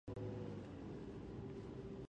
لیکوال دا عزت ترلاسه کړی.